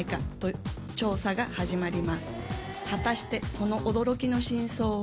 果たしてその驚きの真相は？